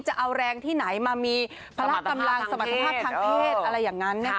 จะเอาแรงที่ไหนมามีพละกำลังสมรรถภาพทางเพศอะไรอย่างนั้นนะคะ